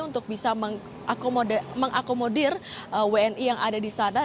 untuk bisa mengakomodir wni yang ada di sana